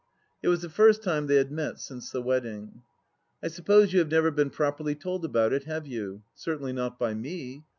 It was the first time they had met since the wedding ! I suppose you have never been properly told about it, have you ? Certainly not by me.